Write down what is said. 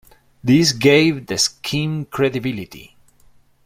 This gave the scheme credibility.